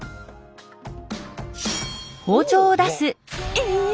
え！